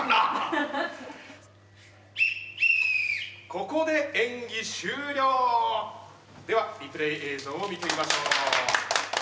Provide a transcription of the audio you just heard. ここで演技終了！ではリプレー映像を見てみましょう。